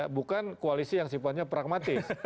bukan koalisi yang sifatnya pragmatis